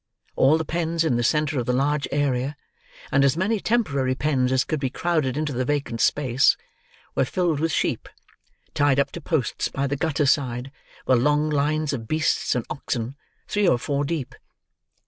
All the pens in the centre of the large area, and as many temporary pens as could be crowded into the vacant space, were filled with sheep; tied up to posts by the gutter side were long lines of beasts and oxen, three or four deep.